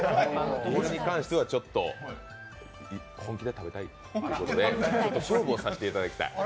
これに関しては、ちょっと本気でとりたいということで、勝負をさせていただきたい。